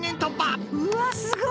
うわすごい！